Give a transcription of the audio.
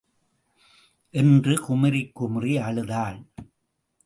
என்று குமுறிக் குமறி அழுதாள்.